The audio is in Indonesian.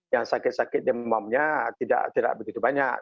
yang sakit sakit demamnya tidak begitu banyak